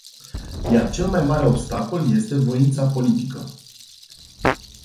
Iar cel mai mare obstacol este voința politică.